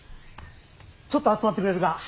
ちょっと集まってくれるか。